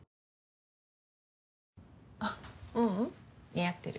あううん似合ってる。